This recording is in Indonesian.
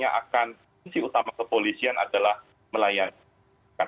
yang notabene nantinya akan misi utama kepolisian adalah melayani